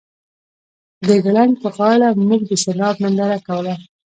د ګړنګ په غاړه موږ د سیلاب ننداره کوله